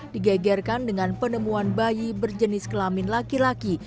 digegerkan dengan penemuan bayi berjenis kelamin laki laki